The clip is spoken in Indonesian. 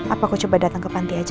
apa aku coba datang ke panti aja